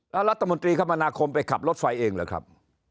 แล้วรัฐมนตรีคมนาคมไปขับรถไฟเองเหรอครับ